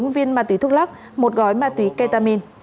bốn mươi bốn viên ma túy thuốc lắc một gói ma túy ketamine